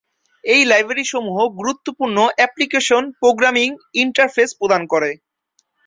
এ library সমূহ গুরুত্বপূর্ণ application programming interface প্রদান করে।